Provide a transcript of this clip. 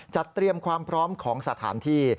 เตรียมความพร้อมของสถานที่